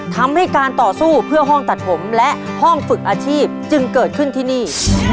ทำให้การต่อสู้เพื่อห้องตัดผมและห้องฝึกอาชีพจึงเกิดขึ้นที่นี่